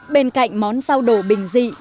bên cạnh món rau đồ bình dị